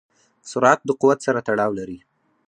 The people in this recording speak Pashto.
سرعت د قوت سره تړاو لري.